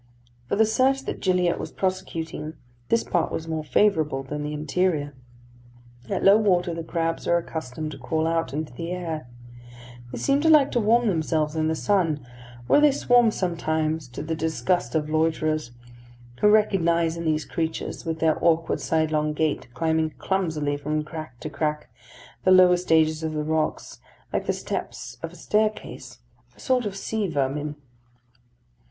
For the search that Gilliatt was prosecuting, this part was more favourable than the interior. At low water the crabs are accustomed to crawl out into the air. They seem to like to warm themselves in the sun, where they swarm sometimes to the disgust of loiterers, who recognise in these creatures, with their awkward sidelong gait, climbing clumsily from crack to crack the lower stages of the rocks like the steps of a staircase, a sort of sea vermin.